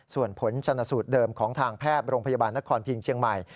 ส่วนผลชนสูตรเดิมของทางแพทย์โรงพยาบาลนครพิงเชียงใหม่